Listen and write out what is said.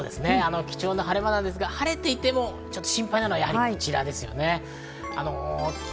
貴重な晴れ間なんですが、晴れていてもちょっと心配なのはやはりこちらですね。